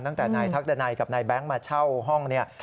ตั้งแต่นายทักดันัยกับนายแบงค์มาเช่าห้องเนี่ย